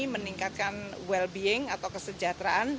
meningkatkan well being atau kesejahteraan